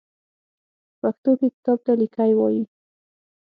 په پښتو کې کتاب ته ليکی وايي.